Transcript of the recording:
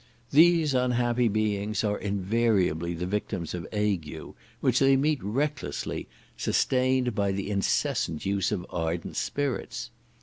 These unhappy beings are invariably the victims of ague, which they meet recklessly, sustained by the incessant use of ardent spirits.